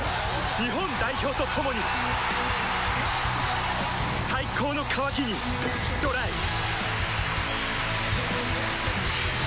日本代表と共に最高の渇きにＤＲＹ女性）